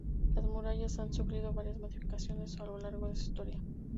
Las murallas han sufrido varias modificaciones a lo largo de su historia.